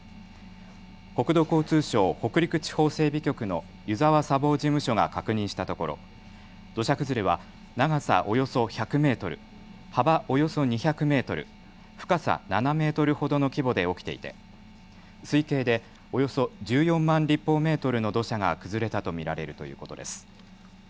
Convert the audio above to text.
国土交通省北陸地方整備局の湯沢砂防事務所が確認したところ土砂崩れは長さおよそ１００メートル、幅およそ２００メートル、深さ７メートルほどの規模で起きていて推計でおよそ１４万立方メートルの土砂が崩れたと見られるということです。